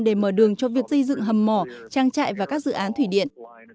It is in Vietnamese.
để mở đường cho việc xây dựng hầm mỏ trang trại và các dự án thủy điện